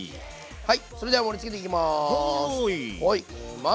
はいそれでは盛りつけていきます。